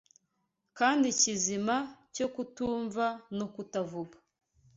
kandi kizima cyo kutumva no kutavuga